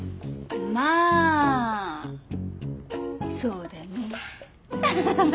まあそうだね。